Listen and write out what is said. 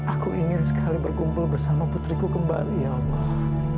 aku ingin sekali berkumpul bersama putriku kembali ya allah